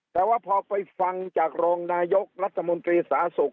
แต่ว่าพอไปฟังจากรองนายกรัฐมนตรีสาธารณสุข